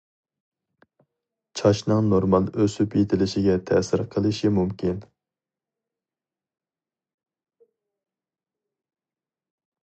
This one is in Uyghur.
چاچنىڭ نورمال ئۆسۈپ يېتىلىشىگە تەسىر قىلىشى مۇمكىن.